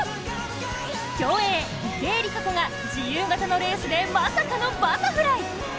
競泳池江璃花子が自由形のレースでまさかのバタフライ。